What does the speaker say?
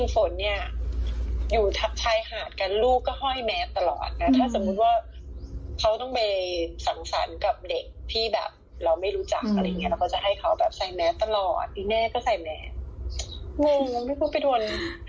สุธนี่อยู่ทางไทยหาดกัน